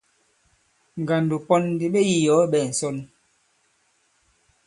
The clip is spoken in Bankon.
Ngàndò ìsɔ pɔ̄n ndi ɓě iyɔ̀ɔ ɓɛ̄ɛ ŋ̀sɔnl.